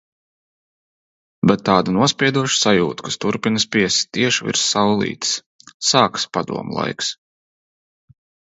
Bet tādu nospiedošu sajūtu, kas turpina spiest, tieši virs "saulītes". Sākas padomu laiks.